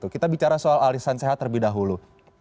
kita bicara soal alisan sehat terlebih dahulu